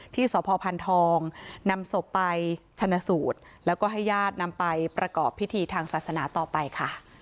ที่สพพันธองนำศพไปชนะสูตรแล้วก็ให้ญาตินำไปประกอบพิธีทางศาสนาต่อไปค่ะ